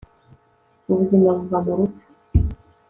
Ubuzima buva mu rupfu